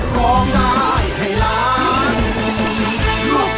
ก็ได้ให้รัก